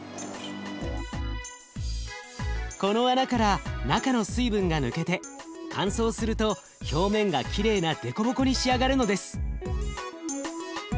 この穴から中の水分が抜けて乾燥すると表面がきれいなデコボコに仕上がるのです。